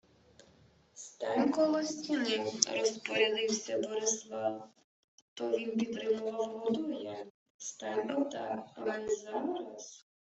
— Стань коло стіни, — розпорядився Борислав — то він підтримував Годоя. — Стань отак, а ми зараз...